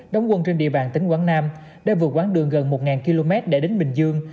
đóng quân trên địa bàn tỉnh quảng nam đã vượt quãng đường gần một km để đến bình dương